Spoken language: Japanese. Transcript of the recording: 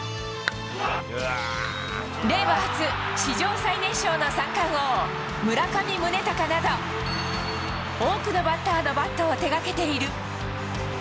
令和初、史上最年少の三冠王、村上宗隆など、多くのバッターのバットを手がけている。